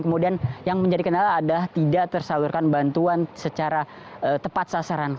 kemudian yang menjadi kendala adalah tidak tersalurkan bantuan secara tepat sasaran